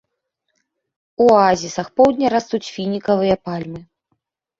У аазісах поўдня растуць фінікавыя пальмы.